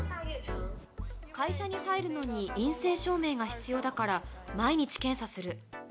会社に入るのに陰性証明が必要だから毎日検査する。